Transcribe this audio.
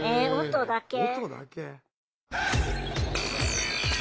音だけ？